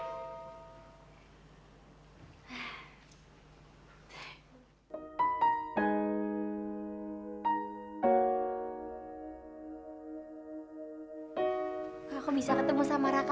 aduh aku bisa ketemu sama raka lagi ya